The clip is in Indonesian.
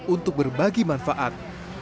untuk berbagi manfaat